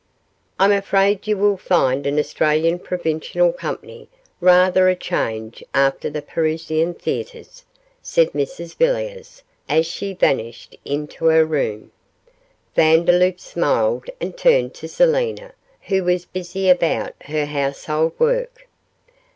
'I'm afraid you will find an Australian provincial company rather a change after the Parisian theatres,' said Mrs Villiers, as she vanished into her room. Vandeloup smiled, and turned to Selina, who was busy about her household work.